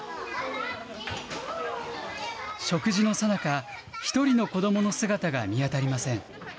食事のさなか、１人の子どもの姿が見当たりません。